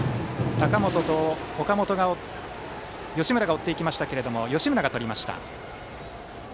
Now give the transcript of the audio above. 高本と吉村が追っていきましたが吉村がとりました。